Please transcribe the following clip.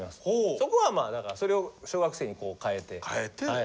そこはまあだからそれを小学生に変えてはいはい。